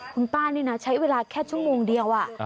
คุณป้านี่นะใช้เวลาแค่ชั่วโมงเดียว